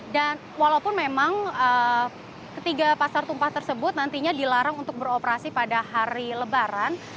dan walaupun memang ketiga pasar tumpah tersebut nantinya dilarang untuk beroperasi pada hari lebaran